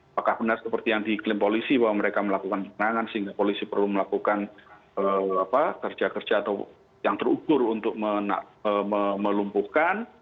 apakah benar seperti yang diklaim polisi bahwa mereka melakukan penangan sehingga polisi perlu melakukan kerja kerja atau yang terukur untuk melumpuhkan